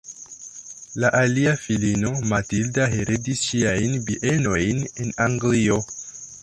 La alia filino, Matilda, heredis ŝiajn bienojn en Anglio.